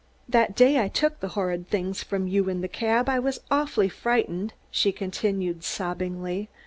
"That day I took the horrid things from you in the cab I was awfully frightened," she continued sobbingly.